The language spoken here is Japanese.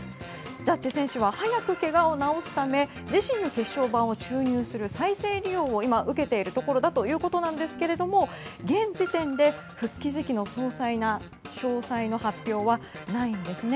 ジャッジ選手は早くけがを治すため自身の血小板を注入する再生医療を今受けているところだということですが現時点で、復帰時期の詳細の発表はないんですね。